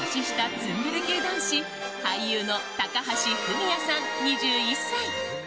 ツンデレ系男子俳優の高橋文哉さん、２１歳。